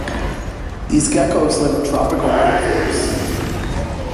These geckos live in tropical rain forests.